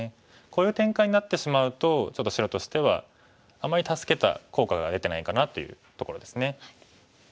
こういう展開になってしまうとちょっと白としてはあんまり助けた効果が出てないかなというところですね。